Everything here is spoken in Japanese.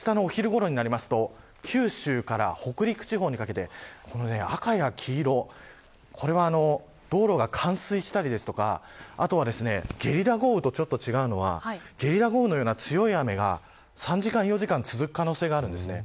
あしたのお昼ごろになりますと九州から北陸地方にかけて赤や黄色これは道路が冠水したりですとかあとはゲリラ豪雨とちょっと違うのはゲリラ豪雨のような強い雨が３時間、４時間続く可能性があるんです。